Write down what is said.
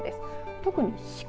特に四国。